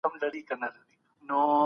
که پښتانه د دوی په وينا یهودان وي،